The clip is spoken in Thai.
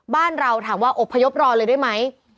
บ้านเราถามว่าอบพยพรอเลยได้ไหม